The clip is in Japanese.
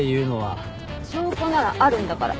証拠ならあるんだから。